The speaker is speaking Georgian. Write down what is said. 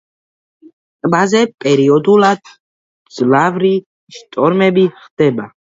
ტბაზე პერიოდულად მძლავრი შტორმები ხდება.